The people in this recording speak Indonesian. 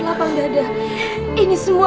yunus jalan cambio